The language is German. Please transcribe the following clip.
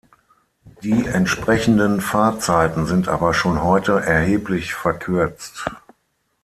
Die entsprechenden Fahrzeiten sind aber schon heute erheblich verkürzt.